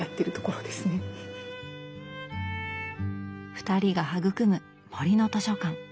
２人が育む「森の図書館」